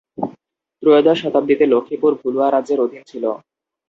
ত্রয়োদশ শতাব্দীতে লক্ষ্মীপুর ভুলুয়া রাজ্যের অধীন ছিল।